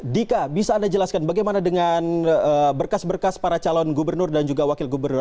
dika bisa anda jelaskan bagaimana dengan berkas berkas para calon gubernur dan juga wakil gubernur